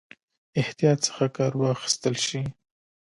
احتیاط څخه کار واخیستل شي.